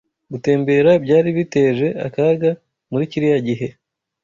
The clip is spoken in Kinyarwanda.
Gutembera byari biteje akaga muri kiriya gihe.